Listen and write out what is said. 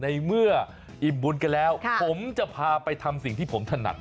ในเมื่ออิ่มบุญกันแล้วผมจะพาไปทำสิ่งที่ผมถนัด